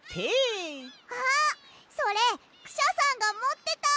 あっそれクシャさんがもってた！